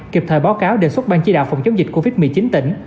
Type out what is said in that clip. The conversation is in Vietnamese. kịp thời báo cáo đề xuất ban chỉ đạo phòng chống dịch covid một mươi chín tỉnh